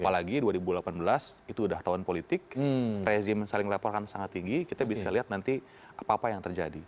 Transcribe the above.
apalagi dua ribu delapan belas itu udah tahun politik rezim saling laporkan sangat tinggi kita bisa lihat nanti apa apa yang terjadi